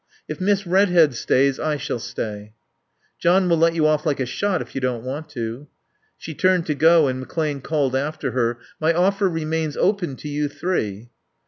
"If Miss Redhead stays I shall stay." "John will let you off like a shot, if you don't want to." She turned to go and McClane called after her, "My offer remains open to you three."